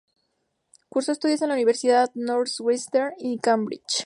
Cursó estudios en la Universidad Northwestern y en Cambridge.